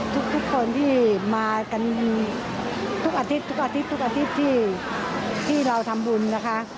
ทุกคนที่มากันทุกอาทิตย์ที่เราทำบุญนะคะ